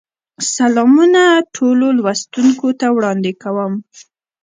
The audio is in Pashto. سلامونه ټولو لوستونکو ته وړاندې کوم.